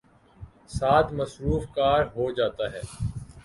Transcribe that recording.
ساتھ ''مصروف کار" ہو جاتا ہے۔